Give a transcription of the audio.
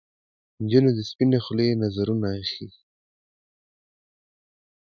نجونو د سپنې خولې نذرونه ایښي